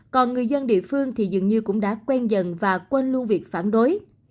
còn người dân địa phương thì dường như cũng đã quen dần và quên lưu việc phản đối